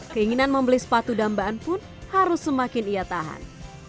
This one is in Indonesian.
keinginan membeli sepatu dambaan pun harus semakin ia tahan